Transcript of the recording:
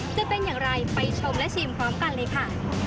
จะเป็นอย่างไรไปชมและชิมพร้อมกันเลยค่ะ